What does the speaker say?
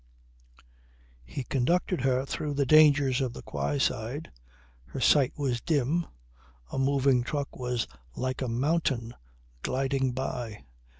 He conducted her through the dangers of the quayside. Her sight was dim. A moving truck was like a mountain gliding by.